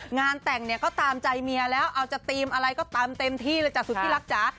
งานแต่งเนี่ยก็ตามใจเมียแล้วเอาจะธีมอะไรก็ตามเต็มที่เลยจ้ะสุดที่รักจ๋า